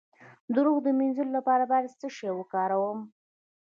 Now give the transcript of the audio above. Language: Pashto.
د روح د مینځلو لپاره باید څه شی وکاروم؟